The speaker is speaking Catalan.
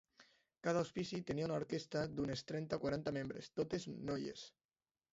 Cada hospici tenia una orquestra d'unes trenta o quaranta membres, totes noies.